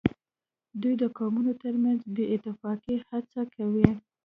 دوی د قومونو ترمنځ د بې اتفاقۍ هڅه کوي